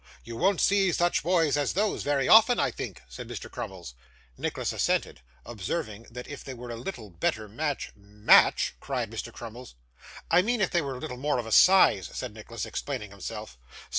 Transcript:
'You won't see such boys as those very often, I think,' said Mr Crummles. Nicholas assented observing that if they were a little better match 'Match!' cried Mr. Crummles. 'I mean if they were a little more of a size,' said Nicholas, explaining himself.